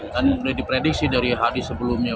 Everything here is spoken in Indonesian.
kan sudah diprediksi dari hadis sebelumnya